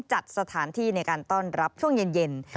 จัดสถานที่ในการต้อนรับช่วงเย็น